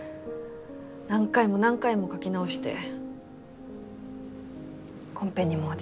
何回も何回も描き直してコンペにも落ちちゃって。